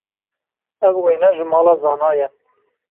Ev wêne ji mala Zana ye.